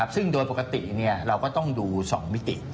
ซึ่งโดยปกติเราก็ต้องดู๒มิติ